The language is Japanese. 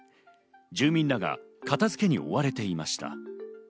住民らが片付けに追われていました。